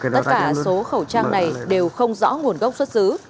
tất cả số khẩu trang này đều không rõ nguồn gốc xuất xứ